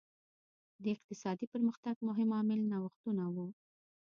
د اقتصادي پرمختګ مهم عامل نوښتونه وو.